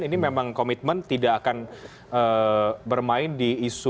ini memang komitmen tidak akan bermain di isu